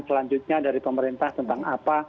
selanjutnya dari pemerintah tentang apa